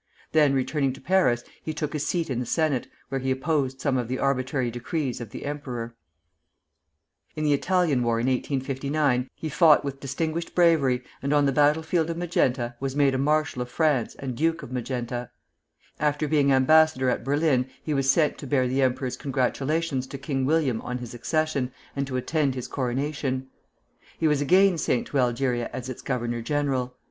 Then, returning to Paris, he took his seat in the Senate, where he opposed some of the arbitrary decrees of the emperor. [Footnote 1: Temple Bar, "Courts of the three Presidents, Thiers, MacMahon, and Grévy," 1884.] In the Italian War in 1859 he fought with distinguished bravery, and on the battlefield of Magenta was made a Marshal of France and Duke of Magenta. After being ambassador at Berlin he was sent to bear the emperor's congratulations to King William on his accession, and to attend his coronation. He was again sent to Algeria as its governor general.